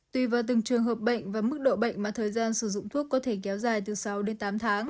tùy vào từng trường hợp bệnh và mức độ bệnh mà thời gian sử dụng thuốc có thể kéo dài từ sáu đến tám tháng